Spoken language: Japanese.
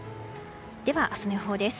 では明日の予報です。